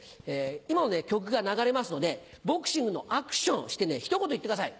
今の曲が流れますのでボクシングのアクションをして一言言ってください。